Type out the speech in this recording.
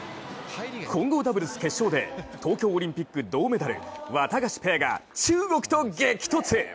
混合ダブルス決勝で東京オリンピック銅メダルワタガシペアが中国と激突！